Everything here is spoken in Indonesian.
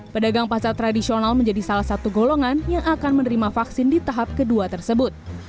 pedagang pasar tradisional menjadi salah satu golongan yang akan menerima vaksin di tahap kedua tersebut